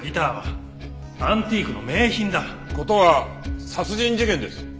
事は殺人事件です。